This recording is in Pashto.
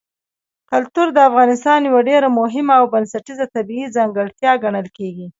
کلتور د افغانستان یوه ډېره مهمه او بنسټیزه طبیعي ځانګړتیا ګڼل کېږي.